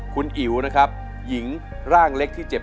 คุณอิ๋วนะครับหญิงร่างเล็กที่เจ็บ